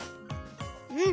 うん。